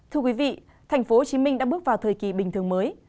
thưa quý vị tp hcm đã bước vào thời kỳ bình thường mới